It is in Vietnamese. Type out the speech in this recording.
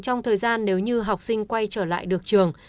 trong thời gian nếu như học sinh quay trở lại được trường